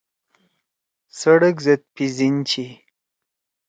سڑک زید پِھزیِن چھی۔